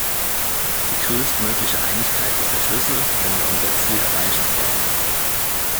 Die größtmögliche Einigkeit ist der Schlüssel, wenn wir unser Ziel erreichen wollen.